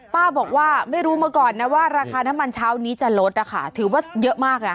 ป้าบอกว่าไม่รู้มาก่อนนะว่าราคาน้ำมันเช้านี้จะลดนะคะถือว่าเยอะมากนะ